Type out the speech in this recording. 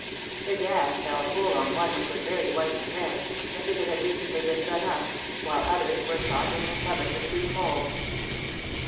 The gas fell full on one which was very white and fresh, as if it had recently been done up, while others were tottering and covered with green mould.